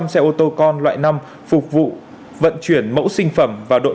một trăm linh xe ô tô con loại năm phục vụ vận chuyển mẫu sinh phẩm và đội